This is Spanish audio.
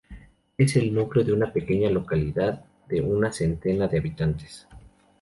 Es el núcleo de una pequeña localidad de una centena de habitantes.